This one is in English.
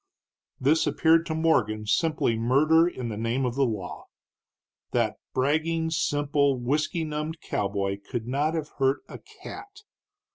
This appeared to Morgan simply murder in the name of the law. That bragging, simple, whisky numbed cowboy could not have hurt a cat.